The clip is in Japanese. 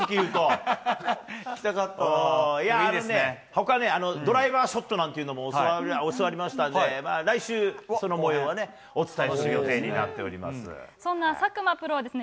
ほか、ドライバーショットなんていうのも教わりましたんで、来週、そのもようをね、お伝えする予定になっております。